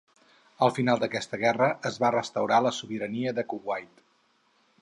Al final d'aquesta guerra es va restaurar la sobirania de Kuwait.